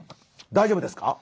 大丈夫ですか？